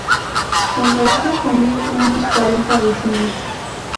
En verano conviven unos cuarenta vecinos.